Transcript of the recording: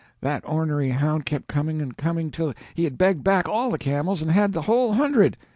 That ornery hound kept coming and coming till he had begged back all the camels and had the whole hundred.